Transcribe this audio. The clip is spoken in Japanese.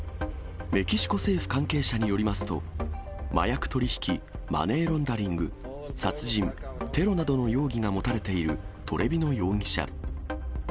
メキシコ政府関係者によりますと、麻薬取り引き、マネーロンダリング、殺人、テロなどの容疑が持たれているトレビノ容疑者。